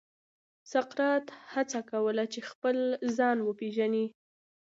سقراط هڅه کوله چې خپل ځان وپېژني.